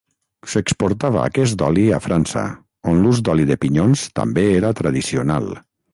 S'exportava aquest oli a França on l'ús d'oli de pinyons també era tradicional.